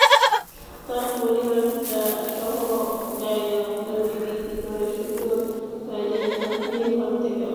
তার পরিবার ভিটাসহ জায়গাজমি বিক্রি করে শুধু ব্যবহার্য জিনিসপত্র নিয়ে ভারতে গেল।